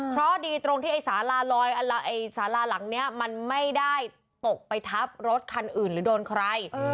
เพราะดีตรงที่สาลาหลังเนี่ยมันไม่ได้ตกไปทับรถคันอื่นหรือโดนใคร